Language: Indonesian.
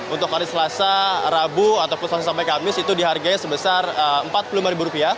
untuk hari selasa rabu ataupun selasa sampai kamis itu dihargai sebesar rp empat puluh lima